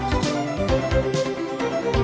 hẹn gặp lại